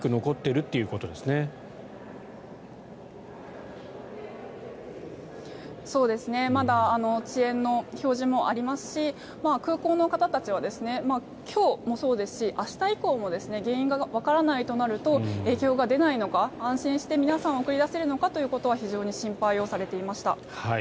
そうですね、まだ遅延の表示もありますし空港の方たちは今日もそうですし、明日以降も原因がわからないとなると影響が出ないのか安心して皆さんを送り出せるのかということは非常に心配をされていました。